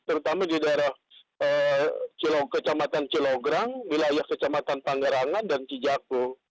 terutama di daerah kecamatan cilograng wilayah kecamatan panggarangan dan cijako